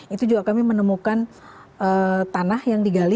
itu juga kami menemukan tanah yang digali